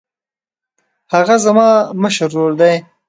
هغه زما مشر ورور دی.